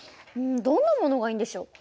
どんなものがいいんでしょう。